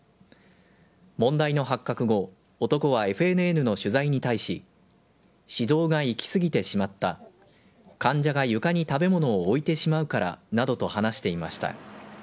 問題の発覚後、男はＦＮＮの取材に対し、指導が行き過ぎてしまった、患者が床に食べ物を置いてしまうからなどと話していました。